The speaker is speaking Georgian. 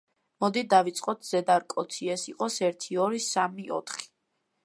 მოდი დავიწყოთ ზედა რკოთი: ეს იყოს ერთი, ორი, სამი, ოთხი.